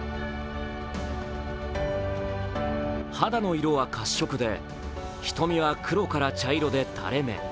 肌の色は褐色で、瞳は黒から茶色で垂れ目。